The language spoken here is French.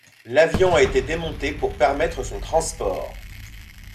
L'avion a été démonté pour permettre son transport.